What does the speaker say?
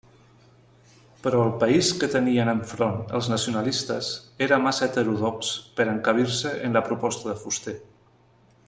Però el país que tenien enfront els nacionalistes era massa heterodox per a encabir-se en la proposta de Fuster.